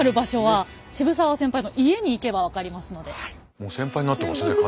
もう先輩になってますね